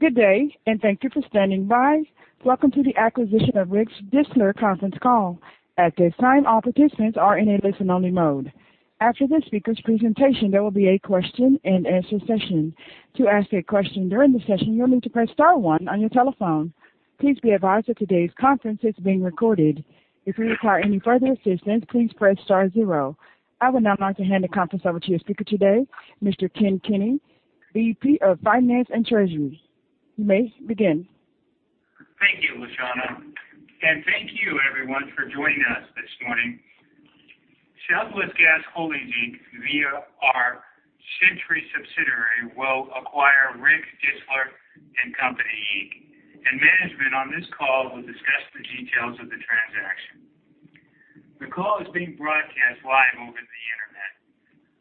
Good day, and thank you for standing by. Welcome to the Acquisition of Riggs Distler Conference Call. At this time, all participants are in a listen-only mode. After this speaker's presentation, there will be a question-and-answer session. To ask a question during the session, you'll need to press star one on your telephone. Please be advised that today's conference is being recorded. If you require any further assistance, please press star zero. I would now like to hand the conference over to your speaker today, Mr. Ken Kenny, VP of Finance and Treasury. You may begin. Thank you, LaShawna. Thank you, everyone, for joining us this morning. Southwest Gas Holdings, via our Centuri subsidiary, will acquire Riggs Distler & Company, and management on this call will discuss the details of the transaction. The call is being broadcast live over the internet.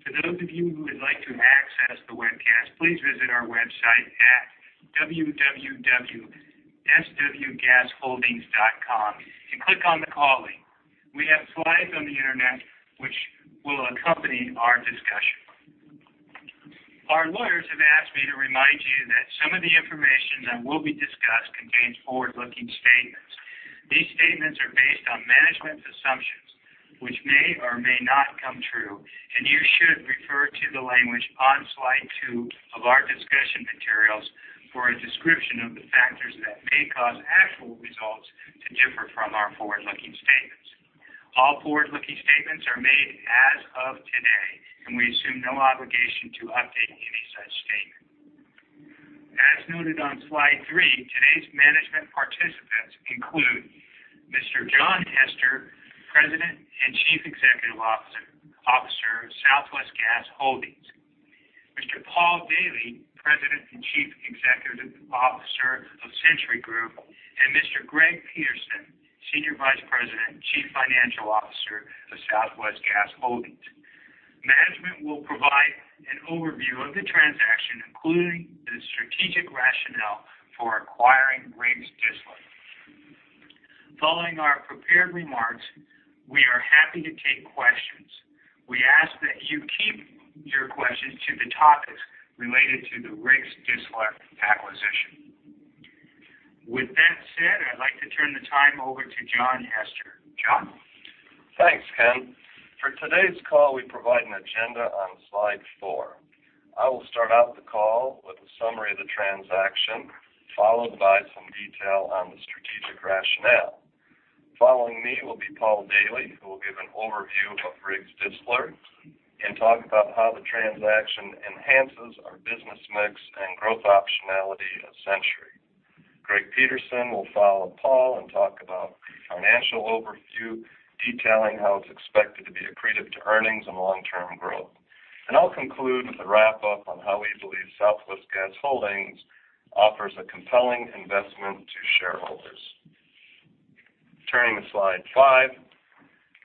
For those of you who would like to access the webcast, please visit our website at www.swgasholdings.com and click on the call link. We have slides on the internet which will accompany our discussion. Our lawyers have asked me to remind you that some of the information that will be discussed contains forward-looking statements. These statements are based on management's assumptions, which may or may not come true, and you should refer to the language on slide two of our discussion materials for a description of the factors that may cause actual results to differ from our forward-looking statements. All forward-looking statements are made as of today, and we assume no obligation to update any such statement. As noted on slide three, today's management participants include Mr. John Hester, President and Chief Executive Officer of Southwest Gas Holdings, Mr. Paul Daily, President and Chief Executive Officer of Centuri Group, and Mr. Greg Peterson, Senior Vice President, Chief Financial Officer of Southwest Gas Holdings. Management will provide an overview of the transaction, including the strategic rationale for acquiring Riggs Distler. Following our prepared remarks, we are happy to take questions. We ask that you keep your questions to the topics related to the Riggs Distler acquisition. With that said, I'd like to turn the time over to John Hester. John? Thanks, Ken. For today's call, we provide an agenda on slide four. I will start out the call with a summary of the transaction, followed by some detail on the strategic rationale. Following me will be Paul Daily, who will give an overview of Riggs Distler and talk about how the transaction enhances our business mix and growth optionality of Centuri. Greg Peterson will follow Paul and talk about the financial overview, detailing how it's expected to be accretive to earnings and long-term growth. I'll conclude with a wrap-up on how easily Southwest Gas Holdings offers a compelling investment to shareholders. Turning to slide five,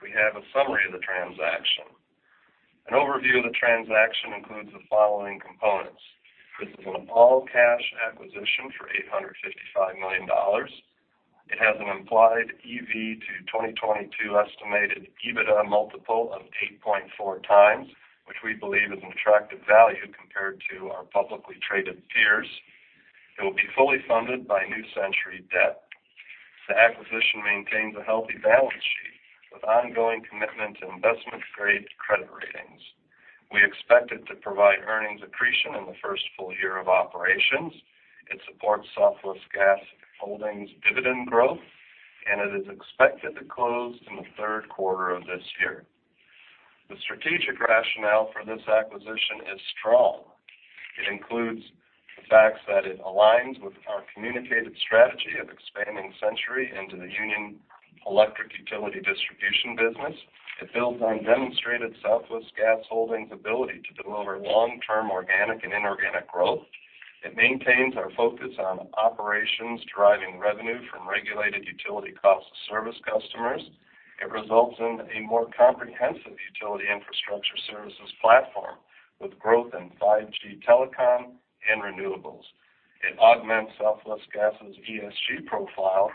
we have a summary of the transaction. An overview of the transaction includes the following components. This is an all-cash acquisition for $855 million. It has an implied EV to 2022 estimated EBITDA multiple of 8.4 times, which we believe is an attractive value compared to our publicly traded peers. It will be fully funded by new Centuri debt. The acquisition maintains a healthy balance sheet with ongoing commitment to investment-grade credit ratings. We expect it to provide earnings accretion in the first full year of operations. It supports Southwest Gas Holdings' dividend growth, and it is expected to close in the third quarter of this year. The strategic rationale for this acquisition is strong. It includes the facts that it aligns with our communicated strategy of expanding Centuri into the union electric utility distribution business. It builds on demonstrated Southwest Gas Holdings' ability to deliver long-term organic and inorganic growth. It maintains our focus on operations driving revenue from regulated utility cost-of-service customers. It results in a more comprehensive utility infrastructure services platform with growth in 5G telecom and renewables. It augments Southwest Gas's ESG profile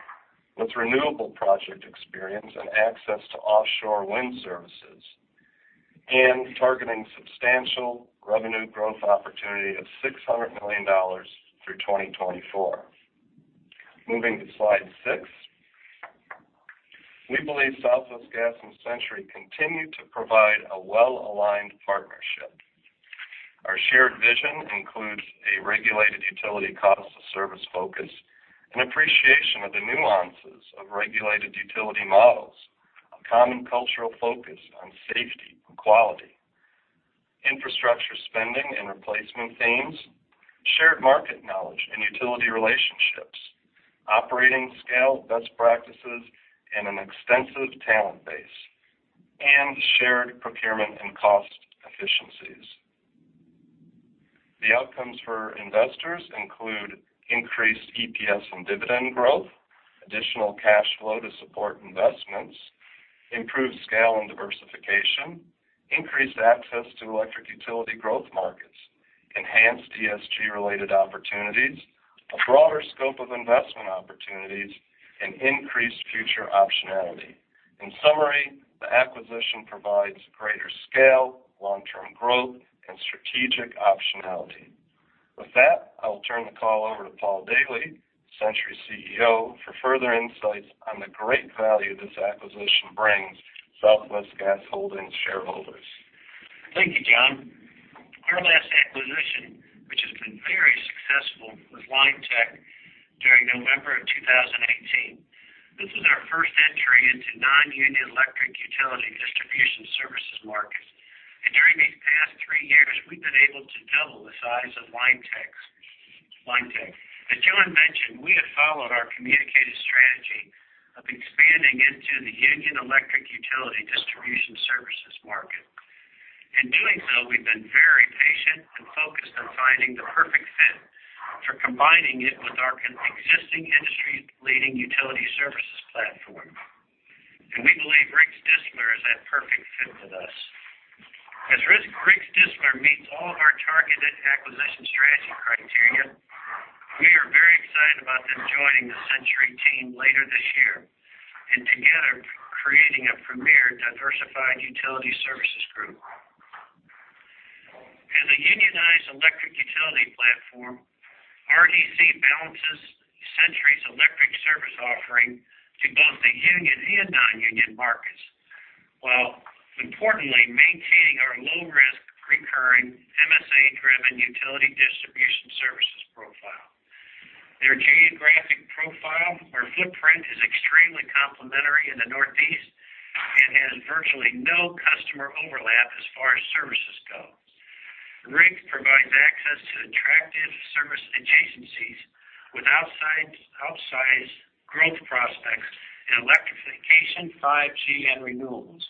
with renewable project experience and access to offshore wind services, and targeting substantial revenue growth opportunity of $600 million through 2024. Moving to slide six, we believe Southwest Gas and Centuri continue to provide a well-aligned partnership. Our shared vision includes a regulated utility cost-of-service focus, an appreciation of the nuances of regulated utility models, a common cultural focus on safety and quality, infrastructure spending and replacement themes, shared market knowledge and utility relationships, operating scale best practices, and an extensive talent base, and shared procurement and cost efficiencies. The outcomes for investors include increased EPS and dividend growth, additional cash flow to support investments, improved scale and diversification, increased access to electric utility growth markets, enhanced ESG-related opportunities, a broader scope of investment opportunities, and increased future optionality. In summary, the acquisition provides greater scale, long-term growth, and strategic optionality. With that, I will turn the call over to Paul Daily, Centuri CEO, for further insights on the great value this acquisition brings Southwest Gas Holdings shareholders. Thank you, John. Our last acquisition, which has been very successful, was Linetec during November of 2018. This was our first entry into non-union electric utility distribution services markets. During these past three years, we've been able to double the size of Linetec. As John mentioned, we have followed our communicated strategy of expanding into the union electric utility distribution services market. In doing so, we've been very patient and focused on finding the perfect fit for combining it with our existing industry-leading utility services platform. We believe Riggs Distler is that perfect fit with us. As Riggs Distler meets all of our targeted acquisition strategy criteria, we are very excited about them joining the Centuri team later this year and together creating a premier diversified utility services group. As a unionized electric utility platform, Riggs Distler balances Centuri's electric service offering to both the union and non-union markets while, importantly, maintaining our low-risk, recurring, MSA-driven utility distribution services profile. Their geographic profile, or footprint, is extremely complementary in the Northeast and has virtually no customer overlap as far as services go. Riggs provides access to attractive service adjacencies with outsized growth prospects in electrification, 5G, and renewables.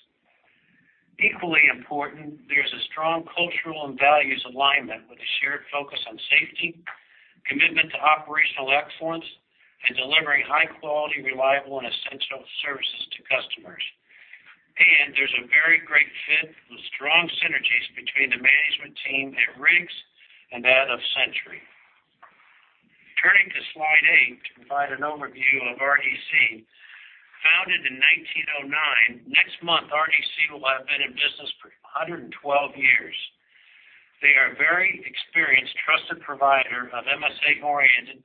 Equally important, there is a strong cultural and values alignment with a shared focus on safety, commitment to operational excellence, and delivering high-quality, reliable, and essential services to customers. There is a very great fit with strong synergies between the management team at Riggs and that of Centuri. Turning to slide eight to provide an overview of Riggs Distler, founded in 1909, next month Riggs Distler will have been in business for 112 years. They are a very experienced, trusted provider of MSA-oriented,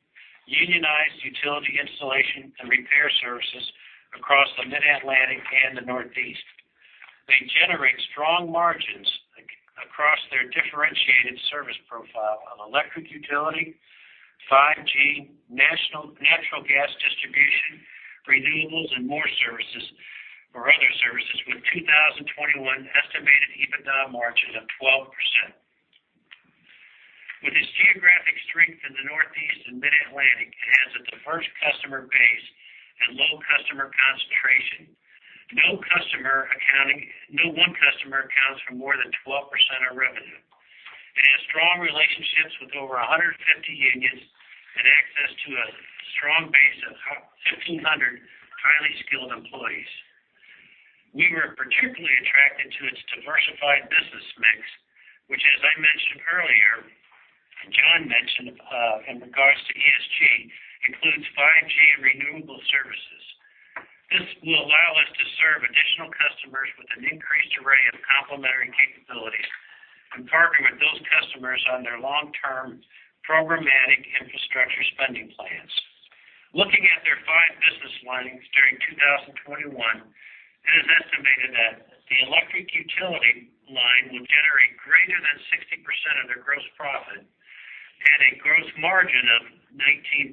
unionized utility installation and repair services across the Mid-Atlantic and the Northeast. They generate strong margins across their differentiated service profile of electric utility, 5G, natural gas distribution, renewables, and more services for other services with 2021 estimated EBITDA margin of 12%. With its geographic strength in the Northeast and Mid-Atlantic, it has a diverse customer base and low customer concentration. No one customer accounts for more than 12% of revenue. It has strong relationships with over 150 unions and access to a strong base of 1,500 highly skilled employees. We were particularly attracted to its diversified business mix, which, as I mentioned earlier, and John mentioned in regards to ESG, includes 5G and renewable services. This will allow us to serve additional customers with an increased array of complementary capabilities and partner with those customers on their long-term programmatic infrastructure spending plans. Looking at their five business lines during 2021, it is estimated that the electric utility line will generate greater than 60% of their gross profit and a gross margin of 19%.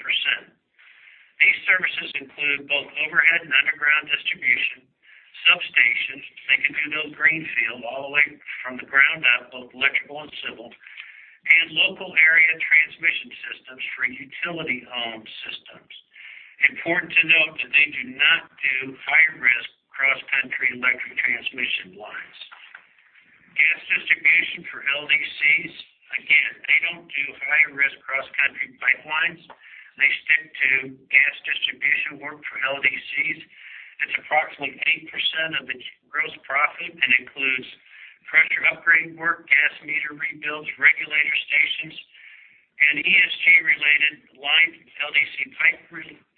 These services include both overhead and underground distribution, substations—they can do the greenfield all the way from the ground up, both electrical and civil—and local area transmission systems for utility-owned systems. Important to note that they do not do high-risk cross-country electric transmission lines. Gas distribution for LDCs, again, they don't do high-risk cross-country pipelines. They stick to gas distribution work for LDCs. It's approximately 8% of the gross profit and includes pressure upgrade work, gas meter rebuilds, regulator stations, and ESG-related line LDC pipe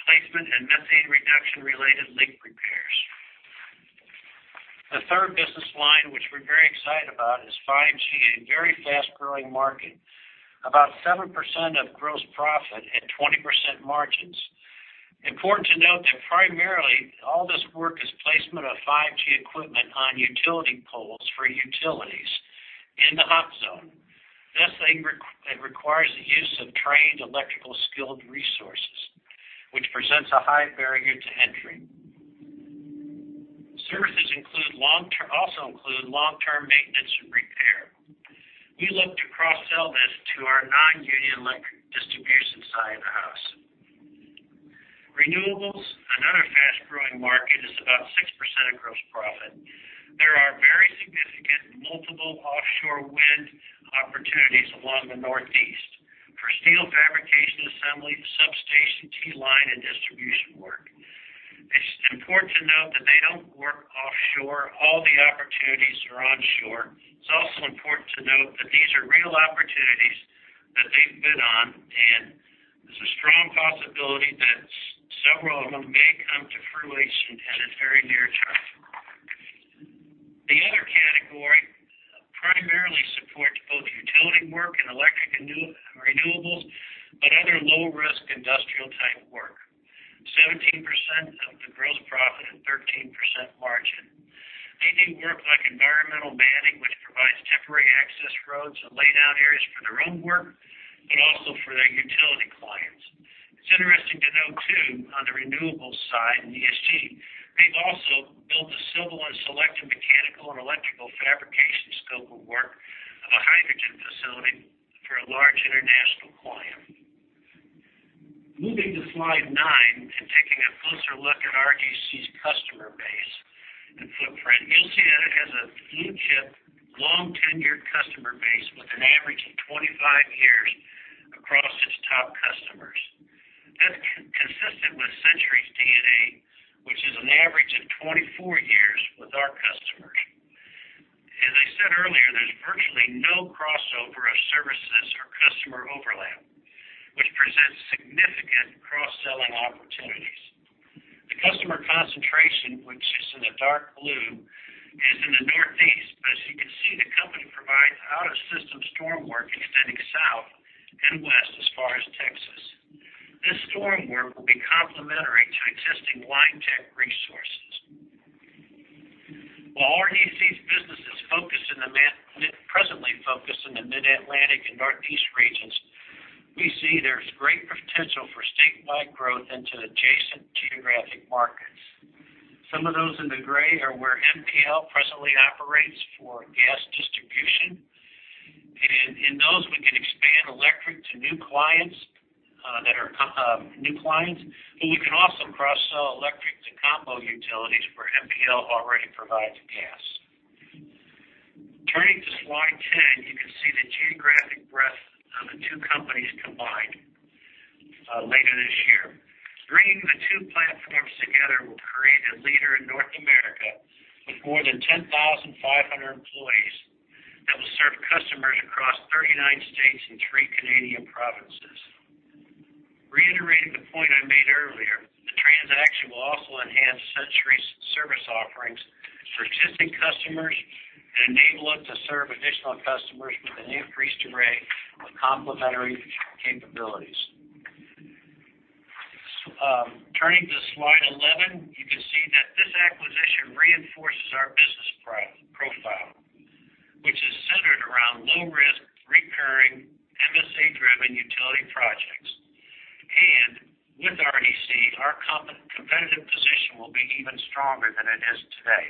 replacement and methane reduction-related leak repairs. The third business line, which we're very excited about, is 5G, a very fast-growing market, about 7% of gross profit at 20% margins. Important to note that primarily all this work is placement of 5G equipment on utility poles for utilities in the hot zone. Thus, it requires the use of trained, electrical-skilled resources, which presents a high barrier to entry. Services also include long-term maintenance and repair. We look to cross-sell this to our non-union electric distribution side of the house. Renewables, another fast-growing market, is about 6% of gross profit. There are very significant multiple offshore wind opportunities along the Northeast for steel fabrication, assembly, substation, T-line, and distribution work. It's important to note that they don't work offshore. All the opportunities are onshore. It's also important to note that these are real opportunities that they've been on, and there's a strong possibility that several of them may come to fruition at a very near term. The other category primarily supports both utility work and electric renewables, but other low-risk industrial-type work, 17% of the gross profit and 13% margin. They do work like environmental matting, which provides temporary access roads and lay down areas for their own work, but also for their utility clients. It's interesting to note, too, on the renewables side in ESG, they've also built a civil and selective mechanical and electrical fabrication scope of work of a hydrogen facility for a large international client. Moving to slide nine and taking a closer look at RDC's customer base and footprint, you'll see that it has a blue-chip, long-tenured customer base with an average of 25 years across its top customers. That's consistent with Centuri's DNA, which is an average of 24 years with our customers. As I said earlier, there's virtually no crossover of services or customer overlap, which presents significant cross-selling opportunities. The customer concentration, which is in the dark blue, is in the Northeast, but as you can see, the company provides out-of-system storm work extending south and west as far as Texas. This storm work will be complementary to existing Linetec resources. While Riggs Distler's businesses presently focus in the Mid-Atlantic and Northeast regions, we see there's great potential for statewide growth into adjacent geographic markets. Some of those in the gray are where National Powerline presently operates for gas distribution. And in those, we can expand electric to new clients that are new clients, but we can also cross-sell electric to combo utilities where National Powerline already provides gas. Turning to slide 10, you can see the geographic breadth of the two companies combined later this year. Bringing the two platforms together will create a leader in North America with more than 10,500 employees that will serve customers across 39 states and three Canadian provinces. Reiterating the point I made earlier, the transaction will also enhance Centuri's service offerings for existing customers and enable it to serve additional customers with an increased array of complementary capabilities. Turning to slide 11, you can see that this acquisition reinforces our business profile, which is centered around low-risk, recurring, MSA-driven utility projects. With Riggs Distler & Company, our competitive position will be even stronger than it is today.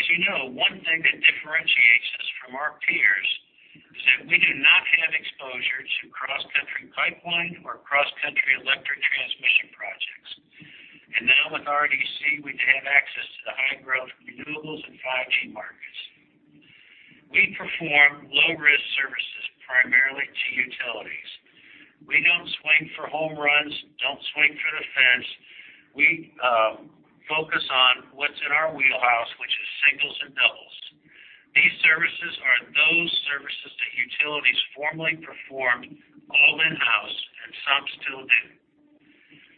As you know, one thing that differentiates us from our peers is that we do not have exposure to cross-country pipeline or cross-country electric transmission projects. Now with RDC, we have access to the high-growth renewables and 5G markets. We perform low-risk services primarily to utilities. We do not swing for home runs, do not swing for the fence. We focus on what is in our wheelhouse, which is singles and doubles. These services are those services that utilities formerly performed all in-house and some still do.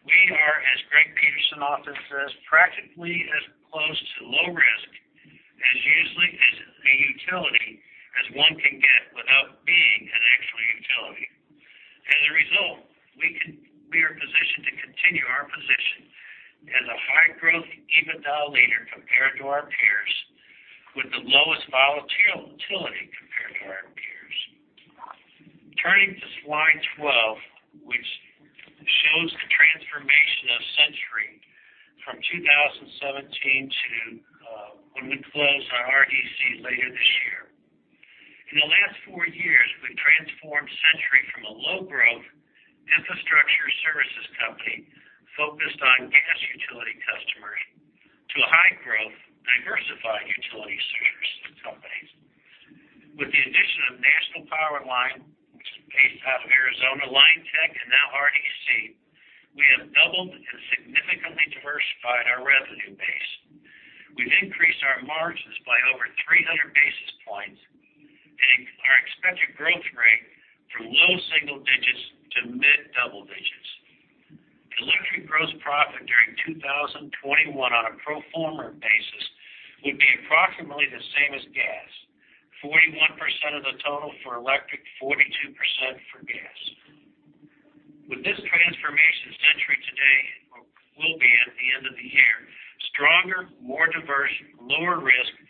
We are, as Greg Peterson often says, practically as close to low risk as a utility as one can get without being an actual utility. As a result, we are positioned to continue our position as a high-growth EBITDA leader compared to our peers, with the lowest volatility compared to our peers. Turning to slide 12, which shows the transformation of Centuri from 2017 to when we close our RDC later this year. In the last four years, we've transformed Centuri from a low-growth infrastructure services company focused on gas utility customers to a high-growth, diversified utility services company. With the addition of National Powerline, which is based out of Arizona, Linetec, and now Riggs Distler & Company, we have doubled and significantly diversified our revenue base. We've increased our margins by over 300 basis points and our expected growth rate from low single digits to mid-double digits. Electric gross profit during 2021 on a pro forma basis would be approximately the same as gas: 41% of the total for electric, 42% for gas. With this transformation, Centuri today will be, at the end of the year, stronger, more diverse, lower risk, and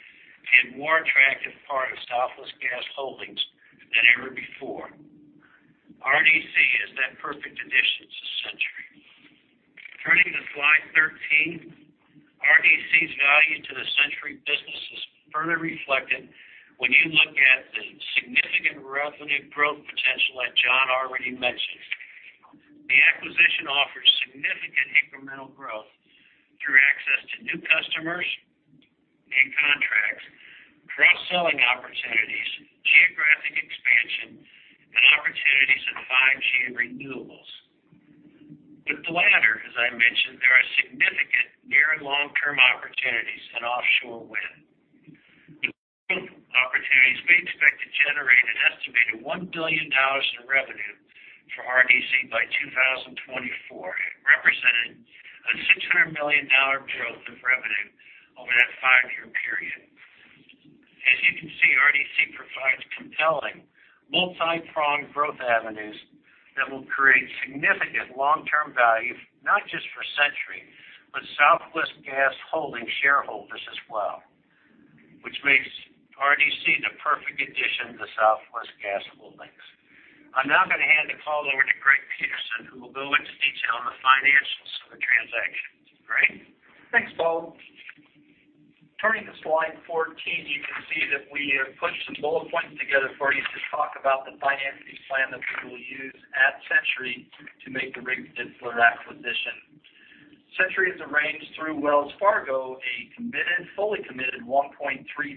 more attractive part of Southwest Gas Holdings than ever before. Riggs Distler & Company is that perfect addition to Centuri. Turning to slide 13, RDC's value to the Centuri business is further reflected when you look at the significant revenue growth potential that John already mentioned. The acquisition offers significant incremental growth through access to new customers and contracts, cross-selling opportunities, geographic expansion, and opportunities in 5G and renewables. With the latter, as I mentioned, there are significant near and long-term opportunities in offshore wind. The growth opportunities we expect to generate an estimated $1 billion in revenue for RDC by 2024, representing a $600 million growth of revenue over that five-year period. As you can see, RDC provides compelling multi-pronged growth avenues that will create significant long-term value, not just for Centuri, but Southwest Gas Holdings shareholders as well, which makes RDC the perfect addition to Southwest Gas Holdings. I'm now going to hand the call over to Greg Peterson, who will go into detail on the financials of the transaction. Greg? Thanks, Paul. Turning to slide 14, you can see that we have put some bullet points together for you to talk about the financing plan that we will use at Centuri to make the Riggs Distler acquisition. Centuri has arranged through Wells Fargo a fully committed $1.3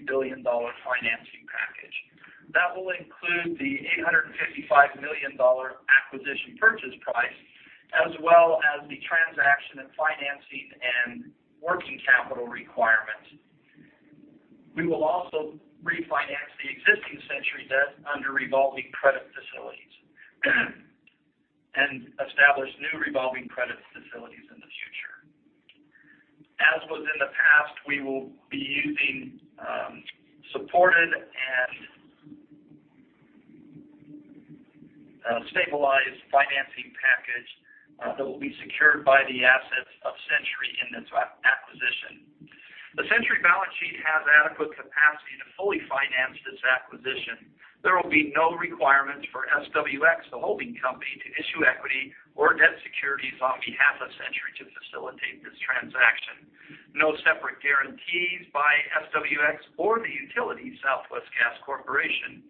billion financing package. That will include the $855 million acquisition purchase price, as well as the transaction and financing and working capital requirements. We will also refinance the existing Centuri debt under revolving credit facilities and establish new revolving credit facilities in the future. As was in the past, we will be using supported and stabilized financing package that will be secured by the assets of Centuri in this acquisition. The Centuri balance sheet has adequate capacity to fully finance this acquisition. There will be no requirements for SWX, the holding company, to issue equity or debt securities on behalf of Centuri to facilitate this transaction. No separate guarantees by SWX or the utility Southwest Gas Corporation.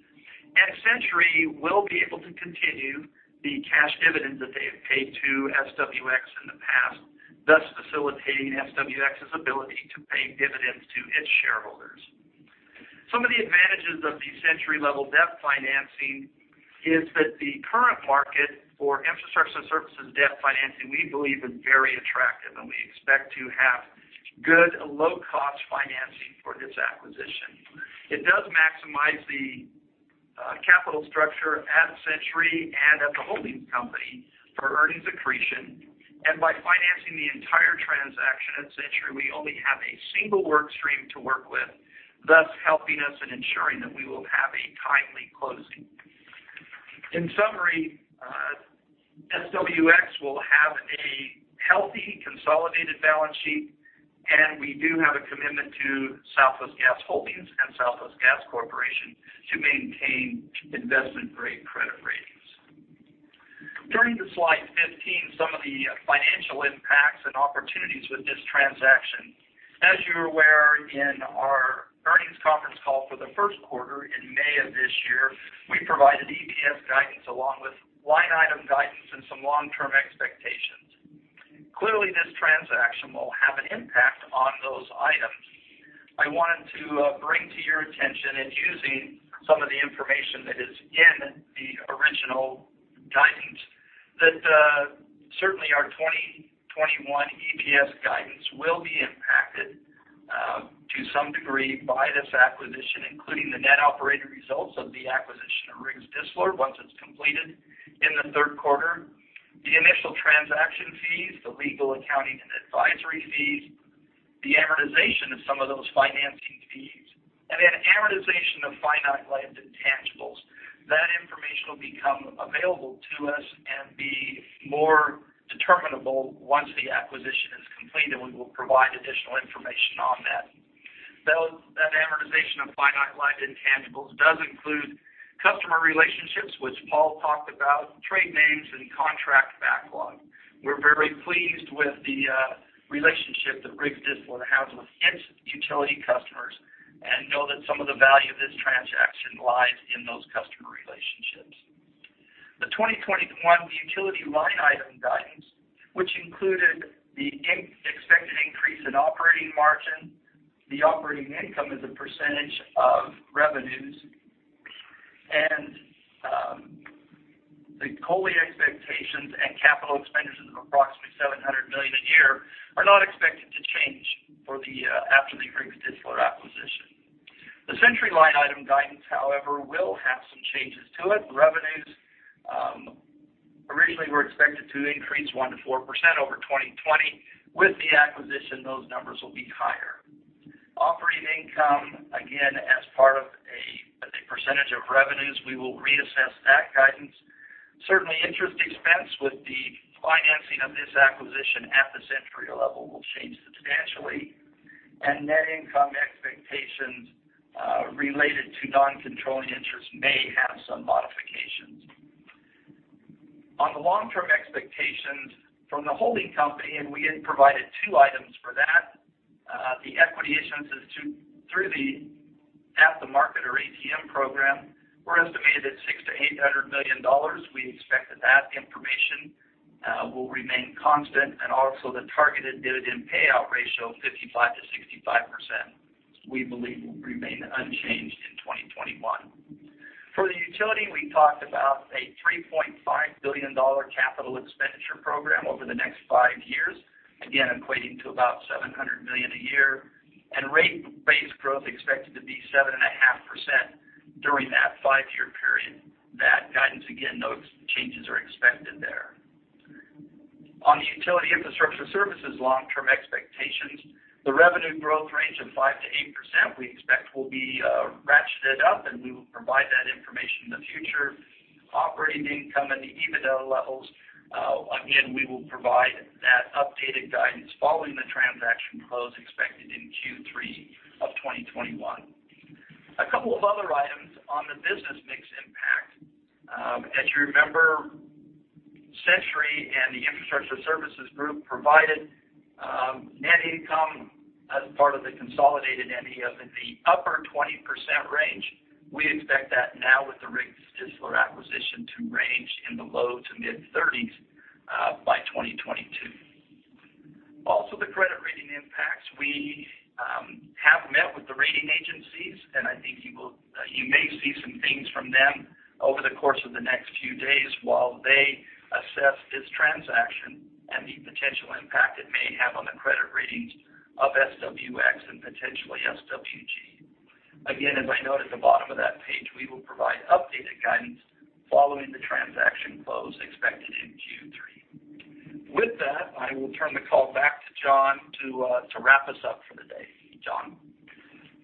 Centuri will be able to continue the cash dividends that they have paid to SWX in the past, thus facilitating SWX's ability to pay dividends to its shareholders. Some of the advantages of the Centuri-level debt financing is that the current market for infrastructure services debt financing, we believe, is very attractive, and we expect to have good, low-cost financing for this acquisition. It does maximize the capital structure at Centuri and at the holding company for earnings accretion. By financing the entire transaction at Centuri, we only have a single workstream to work with, thus helping us in ensuring that we will have a timely closing. In summary, SWX will have a healthy, consolidated balance sheet, and we do have a commitment to Southwest Gas Holdings and Southwest Gas Corporation to maintain investment-grade credit ratings. Turning to slide 15, some of the financial impacts and opportunities with this transaction. As you're aware, in our earnings conference call for the first quarter in May of this year, we provided EPS guidance along with line item guidance and some long-term expectations. Clearly, this transaction will have an impact on those items. I wanted to bring to your attention, and using some of the information that is in the original guidance, that certainly our 2021 EPS guidance will be impacted to some degree by this acquisition, including the net operating results of the acquisition of Riggs Distler once it's completed in the third quarter, the initial transaction fees, the legal, accounting, and advisory fees, the amortization of some of those financing fees, and then amortization of finite life intangibles. That information will become available to us and be more determinable once the acquisition is completed, and we will provide additional information on that. That amortization of finite life intangibles does include customer relationships, which Paul talked about, trade names, and contract backlog. We're very pleased with the relationship that Riggs Distler has with its utility customers and know that some of the value of this transaction lies in those customer relationships. The 2021 utility line item guidance, which included the expected increase in operating margin, the operating income as a percentage of revenues, and the COLI expectations and capital expenditures of approximately $700 million a year are not expected to change after the Riggs Distler acquisition. The Centuri line item guidance, however, will have some changes to it. Revenues originally were expected to increase 1-4% over 2020. With the acquisition, those numbers will be higher. Operating income, again, as part of a percentage of revenues, we will reassess that guidance. Certainly, interest expense with the financing of this acquisition at the Centuri level will change substantially. Net income expectations related to non-controlling interest may have some modifications. On the long-term expectations from the holding company, and we had provided two items for that. The equity issuances through the at-the-market or ATM program were estimated at $600 million-$800 million. We expect that that information will remain constant. The targeted dividend payout ratio of 55%-65% we believe will remain unchanged in 2021. For the utility, we talked about a $3.5 billion capital expenditure program over the next five years, again, equating to about $700 million a year. Rate-based growth expected to be 7.5% during that five-year period. That guidance, again, no changes are expected there. On the utility infrastructure services long-term expectations, the revenue growth range of 5%-8% we expect will be ratcheted up, and we will provide that information in the future. Operating income and the EBITDA levels, again, we will provide that updated guidance following the transaction close expected in Q3 of 2021. A couple of other items on the business mix impact. As you remember, Centuri and the infrastructure services group provided net income as part of the consolidated net income in the upper 20% range. We expect that now with the Riggs Distler acquisition to range in the low to mid-30% by 2022. Also, the credit rating impacts we have met with the rating agencies, and I think you may see some things from them over the course of the next few days while they assess this transaction and the potential impact it may have on the credit ratings of SWX and potentially SWG. Again, as I noted at the bottom of that page, we will provide updated guidance following the transaction close expected in Q3. With that, I will turn the call back to John to wrap us up for the day. John?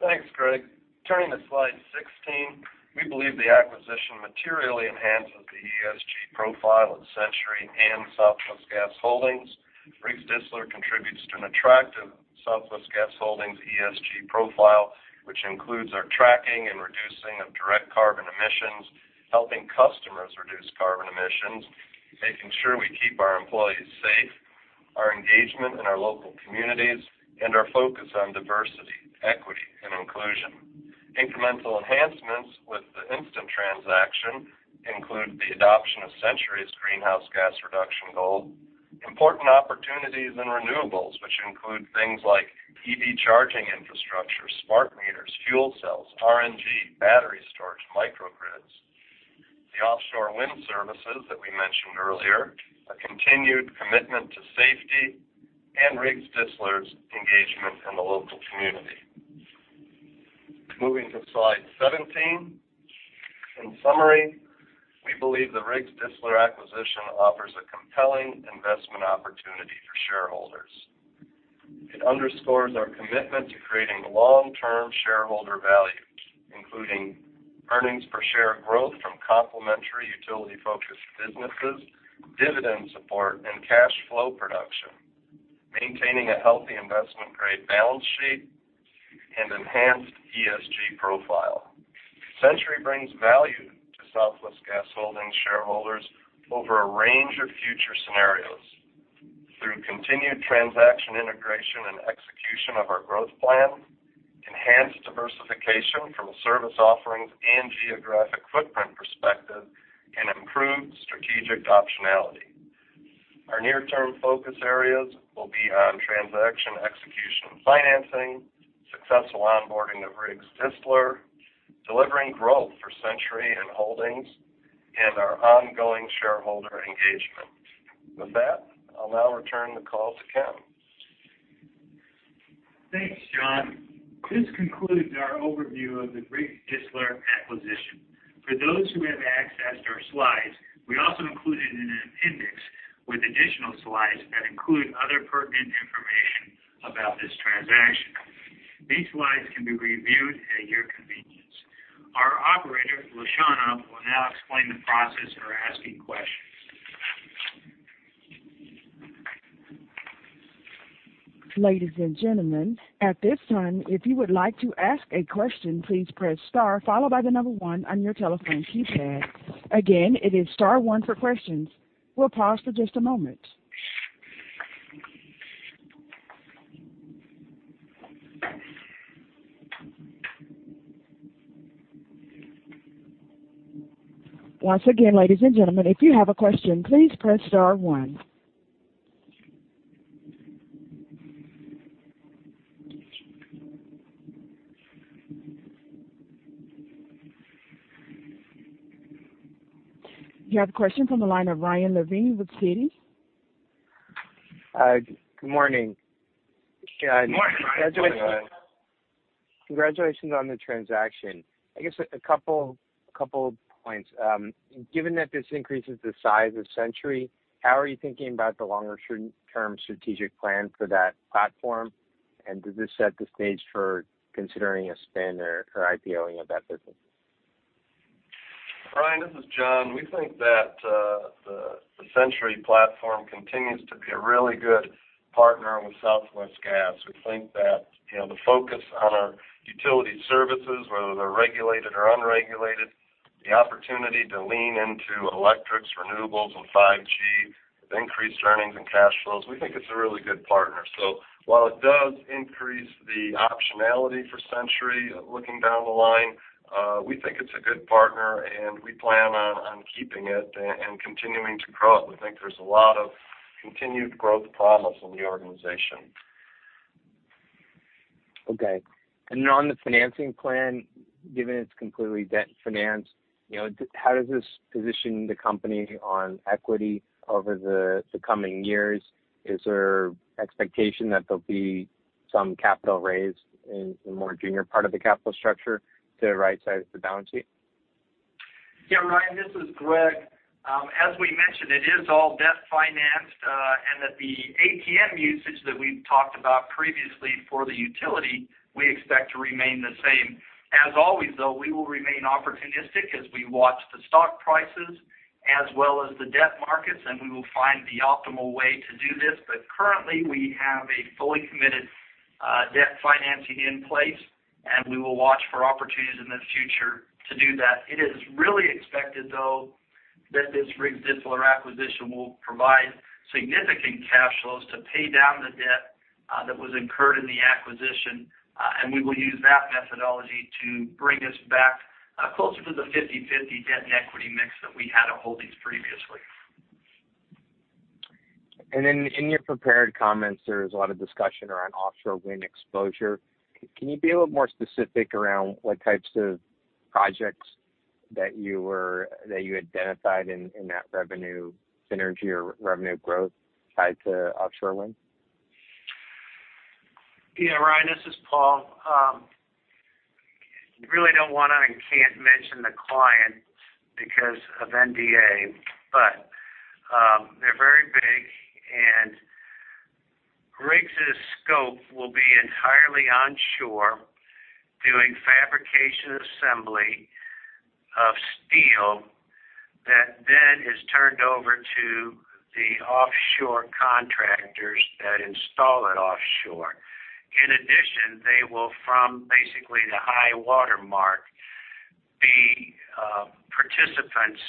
Thanks, Greg. Turning to slide 16, we believe the acquisition materially enhances the ESG profile of Centuri and Southwest Gas Holdings. Riggs Distler contributes to an attractive Southwest Gas Holdings ESG profile, which includes our tracking and reducing of direct carbon emissions, helping customers reduce carbon emissions, making sure we keep our employees safe, our engagement in our local communities, and our focus on diversity, equity, and inclusion. Incremental enhancements with the instant transaction include the adoption of Centuri's greenhouse gas reduction goal, important opportunities in renewables, which include things like EV charging infrastructure, smart meters, fuel cells, RNG, battery storage, microgrids, the offshore wind services that we mentioned earlier, a continued commitment to safety, and Riggs Distler's engagement in the local community. Moving to slide 17. In summary, we believe the Riggs Distler acquisition offers a compelling investment opportunity for shareholders. It underscores our commitment to creating long-term shareholder value, including earnings per share growth from complementary utility-focused businesses, dividend support, and cash flow production, maintaining a healthy investment-grade balance sheet and enhanced ESG profile. Centuri brings value to Southwest Gas Holdings shareholders over a range of future scenarios through continued transaction integration and execution of our growth plan, enhanced diversification from a service offerings and geographic footprint perspective, and improved strategic optionality. Our near-term focus areas will be on transaction execution and financing, successful onboarding of Riggs Distler, delivering growth for Centuri and Holdings, and our ongoing shareholder engagement. With that, I'll now return the call to Ken. Thanks, John. This concludes our overview of the Riggs Distler acquisition. For those who have accessed our slides, we also included an appendix with additional slides that include other pertinent information about this transaction. These slides can be reviewed at your convenience. Our operator, LaShawna, will now explain the process for asking questions. Ladies and gentlemen, at this time, if you would like to ask a question, please press star followed by the number one on your telephone keypad. Again, it is star one for questions. We'll pause for just a moment. Once again, ladies and gentlemen, if you have a question, please press star one. You have a question from the line of Ryan Levine with Citi. Good morning. Good morning. Congratulations on the transaction. I guess a couple points. Given that this increases the size of Centuri, how are you thinking about the longer-term strategic plan for that platform? Does this set the stage for considering a spin or IPOing of that business? Ryan, this is John. We think that the Centuri platform continues to be a really good partner with Southwest Gas. We think that the focus on our utility services, whether they're regulated or unregulated, the opportunity to lean into electrics, renewables, and 5G with increased earnings and cash flows, we think it's a really good partner. While it does increase the optionality for Centuri looking down the line, we think it's a good partner, and we plan on keeping it and continuing to grow it. We think there's a lot of continued growth promise in the organization. Okay. On the financing plan, given it's completely debt financed, how does this position the company on equity over the coming years? Is there an expectation that there'll be some capital raised in the more junior part of the capital structure to right-size the balance sheet? Yeah, Ryan, this is Greg. As we mentioned, it is all debt financed, and the ATM usage that we've talked about previously for the utility, we expect to remain the same. As always, though, we will remain opportunistic as we watch the stock prices as well as the debt markets, and we will find the optimal way to do this. Currently, we have a fully committed debt financing in place, and we will watch for opportunities in the future to do that. It is really expected, though, that this Riggs Distler acquisition will provide significant cash flows to pay down the debt that was incurred in the acquisition, and we will use that methodology to bring us back closer to the 50/50 debt and equity mix that we had at holdings previously. In your prepared comments, there was a lot of discussion around offshore wind exposure. Can you be a little more specific around what types of projects that you identified in that revenue synergy or revenue growth tied to offshore wind? Yeah, Ryan, this is Paul. I really don't want to and can't mention the client because of NDA, but they're very big, and Riggs' scope will be entirely onshore, doing fabrication assembly of steel that then is turned over to the offshore contractors that install it offshore. In addition, they will, from basically the high watermark, be participants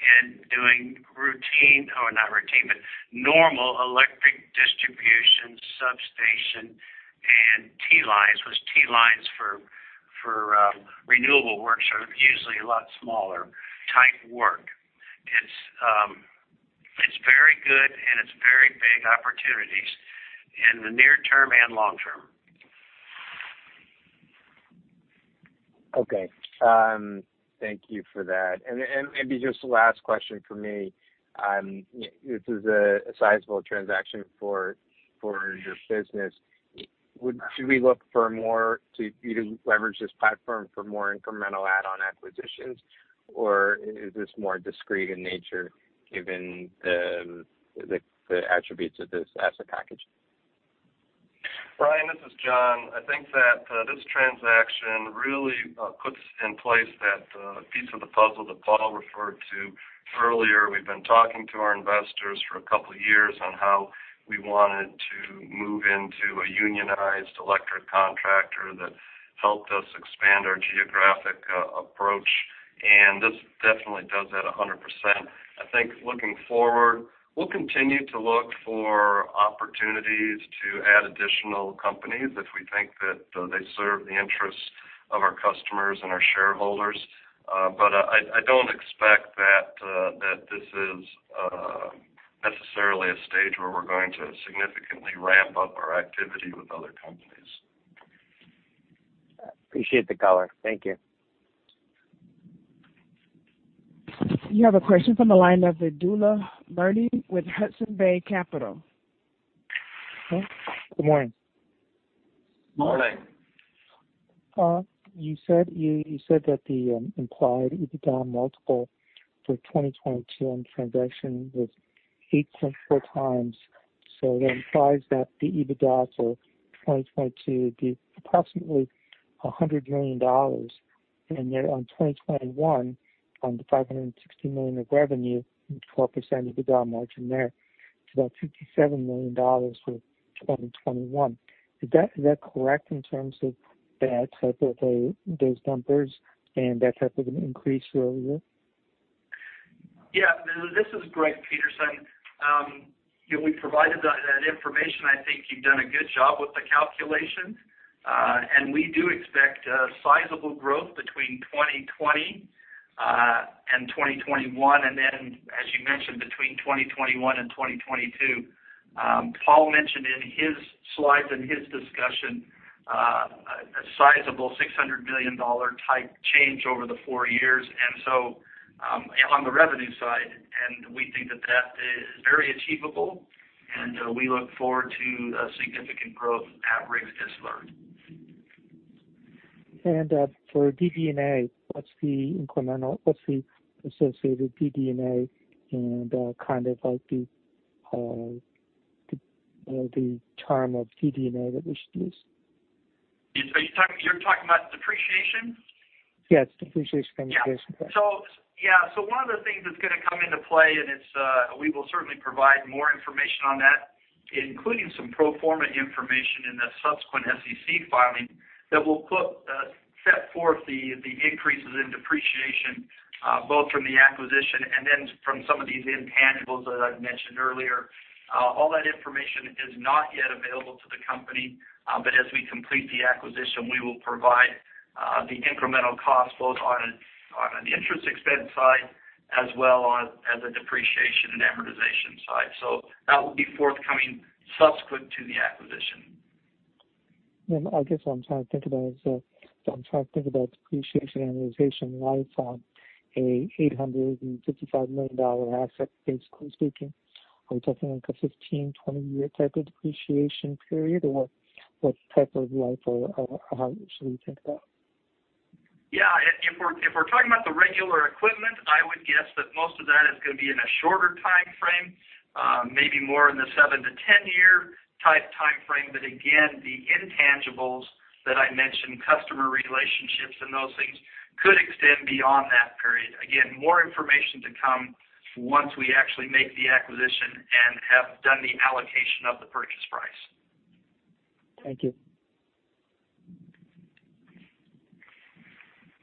in doing routine—or not routine, but normal electric distribution substation and T-lines, which T-lines for renewable works are usually a lot smaller. Type work. It's very good, and it's very big opportunities in the near term and long term. Okay. Thank you for that. And maybe just the last question for me. This is a sizable transaction for your business. Should we look for more to leverage this platform for more incremental add-on acquisitions, or is this more discreet in nature given the attributes of this asset package? Ryan, this is John. I think that this transaction really puts in place that piece of the puzzle that Paul referred to earlier. We've been talking to our investors for a couple of years on how we wanted to move into a unionized electric contractor that helped us expand our geographic approach, and this definitely does that 100%. I think looking forward, we'll continue to look for opportunities to add additional companies if we think that they serve the interests of our customers and our shareholders. I don't expect that this is necessarily a stage where we're going to significantly ramp up our activity with other companies. Appreciate the color. Thank you. You have a question from the line of Vedula Murti with Hudson Bay Capital. Okay. Good morning. Morning. You said that the implied EBITDA multiple for 2022 on the transaction was 8.4 times. That implies that the EBITDA for 2022 would be approximately $100 million. On 2021, on the $560 million of revenue, 12% EBITDA margin there, it is about $57 million for 2021. Is that correct in terms of that type of those numbers and that type of an increase earlier? Yeah. This is Greg Peterson. We provided that information. I think you have done a good job with the calculations, and we do expect sizable growth between 2020 and 2021, and then, as you mentioned, between 2021 and 2022. Paul mentioned in his slides and his discussion a sizable $600 million type change over the four years on the revenue side, and we think that that is very achievable, and we look forward to significant growth at Riggs Distler. And for DD&A, what's the incremental? What's the associated DD&A and kind of the term of DD&A that we should use? You're talking about depreciation? Yes. Depreciation and amortization. Yeah. One of the things that's going to come into play, and we will certainly provide more information on that, including some pro forma information in the subsequent SEC filing, that will set forth the increases in depreciation both from the acquisition and then from some of these intangibles that I've mentioned earlier. All that information is not yet available to the company, but as we complete the acquisition, we will provide the incremental costs both on an interest expense side as well as a depreciation and amortization side. That will be forthcoming subsequent to the acquisition. I guess what I'm trying to think about is I'm trying to think about depreciation amortization life on an $855 million asset, basically speaking. Are we talking like a 15-20 year type of depreciation period, or what type of life or how should we think about? Yeah. If we're talking about the regular equipment, I would guess that most of that is going to be in a shorter time frame, maybe more in the 7-10 year type time frame. Again, the intangibles that I mentioned, customer relationships and those things, could extend beyond that period. Again, more information to come once we actually make the acquisition and have done the allocation of the purchase price. Thank you.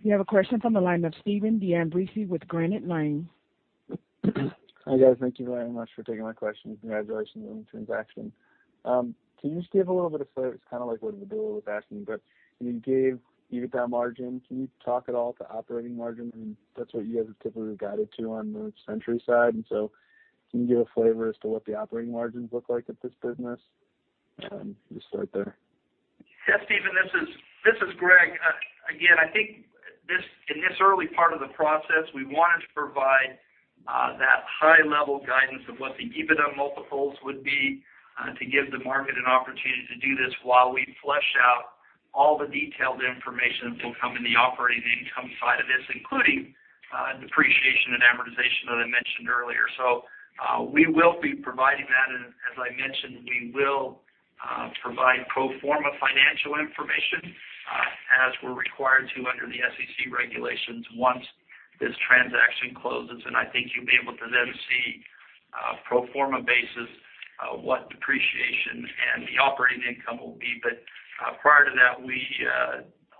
You have a question from the line of Stephen D'Ambrisi with Granite Lane. Hi guys. Thank you very much for taking my question. Congratulations on the transaction. Can you just give a little bit of flavor? It's kind of like what Vedula was asking, but you gave EBITDA margin. Can you talk at all to operating margin? I mean, that's what you guys have typically guided to on the Centuri side. And so can you give a flavor as to what the operating margins look like at this business? Just start there. Yeah, Stephen, this is Greg. Again, I think in this early part of the process, we wanted to provide that high-level guidance of what the EBITDA multiples would be to give the market an opportunity to do this while we flush out all the detailed information that will come in the operating income side of this, including depreciation and amortization that I mentioned earlier. We will be providing that, and as I mentioned, we will provide pro forma financial information as we're required to under the SEC regulations once this transaction closes. I think you'll be able to then see pro forma basis what depreciation and the operating income will be. Prior to that, we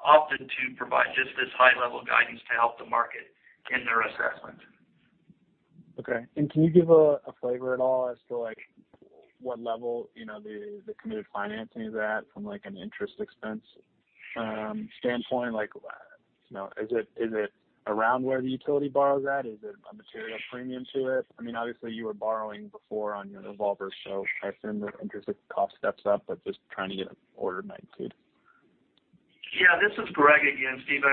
opted to provide just this high-level guidance to help the market in their assessment. Okay. Can you give a flavor at all as to what level the committed financing is at from an interest expense standpoint? Is it around where the utility borrows at? Is there a material premium to it? I mean, obviously, you were borrowing before on your revolver, so I assume the interest cost steps up, but just trying to get an order of magnitude. Yeah. This is Greg again, Steven.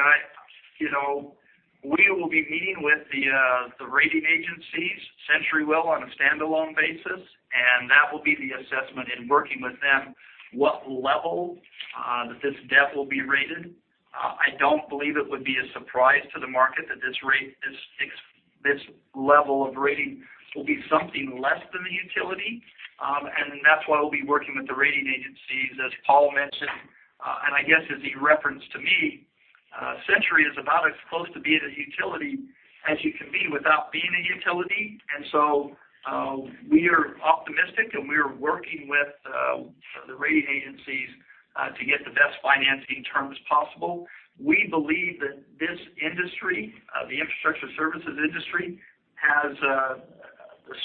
We will be meeting with the rating agencies, Centuri will, on a standalone basis, and that will be the assessment in working with them what level that this debt will be rated. I do not believe it would be a surprise to the market that this level of rating will be something less than the utility, and that is why we will be working with the rating agencies, as Paul mentioned. I guess as he referenced to me, Centuri is about as close to being a utility as you can be without being a utility. We are optimistic, and we are working with the rating agencies to get the best financing terms possible. We believe that this industry, the infrastructure services industry, has a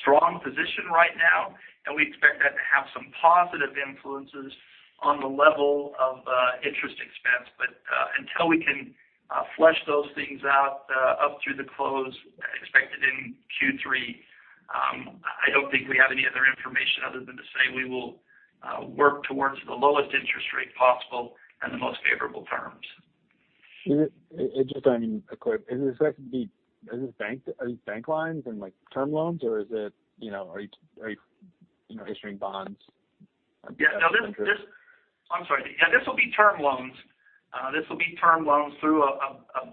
strong position right now, and we expect that to have some positive influences on the level of interest expense. Until we can flush those things out up through the close, expected in Q3, I do not think we have any other information other than to say we will work towards the lowest interest rate possible and the most favorable terms. Just so I am clear, is this bank lines and term loans, or are you issuing bonds? Yeah. I am sorry. Yeah. This will be term loans. This will be term loans through a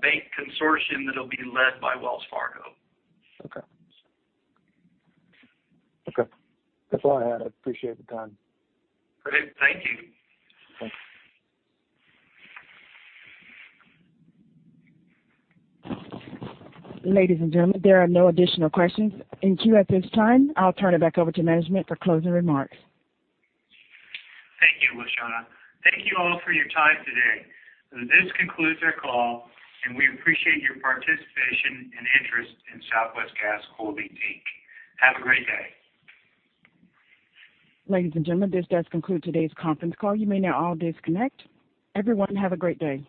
bank consortium that will be led by Wells Fargo. Okay. Okay. That is all I had. I appreciate the time. Great. Thank you. Thanks. Ladies and gentlemen, there are no additional questions in queue at this time, I'll turn it back over to management for closing remarks. Thank you, LaShawna. Thank you all for your time today. This concludes our call, and we appreciate your participation and interest in Southwest Gas Holdings. Have a great day. Ladies and gentlemen, this does conclude today's conference call. You may now all disconnect. Everyone, have a great day.